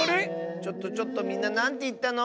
ちょっとちょっとみんななんていったの？